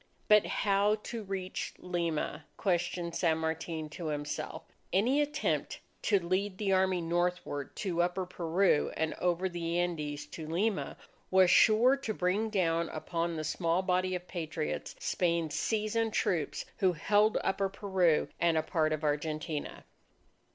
But how to reach Lima? questioned San Martin to himself. Any attempt to lead the army northward to Upper Peru, and over the Andes to Lima, was sure to bring down upon the small body of Patriots, Spain's seasoned troops who held Upper Peru and a part of Argentina.